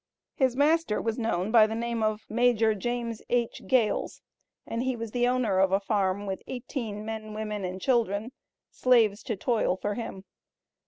His master was known by the name of Major James H. Gales, and he was the owner of a farm with eighteen men, women and children, slaves to toil for him.